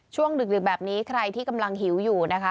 ดึกแบบนี้ใครที่กำลังหิวอยู่นะคะ